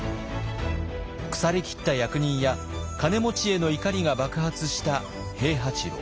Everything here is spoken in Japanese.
腐れきった役人や金持ちへの怒りが爆発した平八郎。